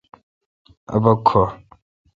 اؘ بک کھو۔